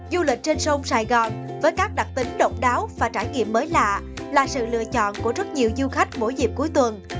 du lịch trên sông sài gòn với các đặc tính độc đáo và trải nghiệm mới lạ là sự lựa chọn của rất nhiều du khách mỗi dịp cuối tuần